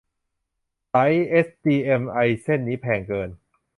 สายเอชดีเอ็มไอเส้นนี้แพงเกิน